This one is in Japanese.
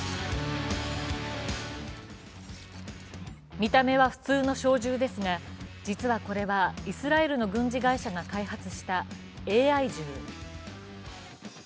見た目は普通の小銃ですが実はこれはイスラエルの軍事会社が開発したＡＩ銃。